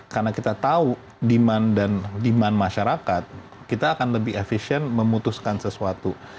karena kita tahu demand dan demand masyarakat kita akan lebih efisien memutuskan sesuatu